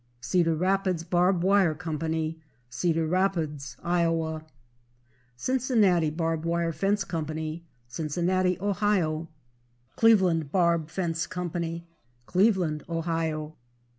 Cedar Rapids Barb Wire Co., Cedar Rapids, Iowa. Cincinnati Barbed Wire Fence Co., Cincinnati, Ohio. Cleveland Barb Fence Co., Cleveland, Ohio.